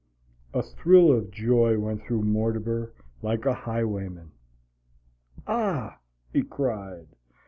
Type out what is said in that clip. A thrill of joy went through Mortimer like a highwayman. "Ah!" he cried.